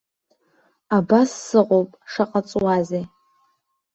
Абас сыҟоуп, шаҟа ҵуазеи?